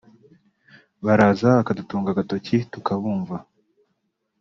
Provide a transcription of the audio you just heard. Baraza bakadutunga agatoki tukabumva